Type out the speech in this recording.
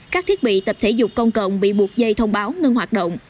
các thiết bị tập thể dục công cộng bị buộc dây thông báo ngưng hoạt động